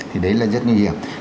thì đấy là rất nguy hiểm